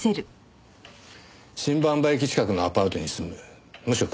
新馬場駅近くのアパートに住む無職独身。